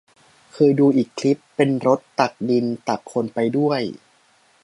เคยดูอีกคลิป เป็นรถตักดิน ตักคนไปด้วย